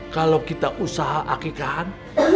kalau kita usaha akikahan